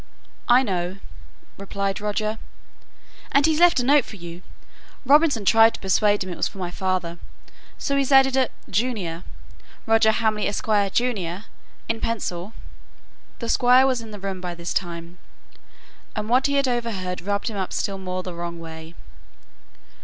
"I know," replied Roger. "And he's left a note for you. Robinson tried to persuade him it was for my father, so he's added a 'junior' (Roger Hamley, Esq., junior) in pencil." The Squire was in the room by this time, and what he had overheard rubbed him up still more the wrong way.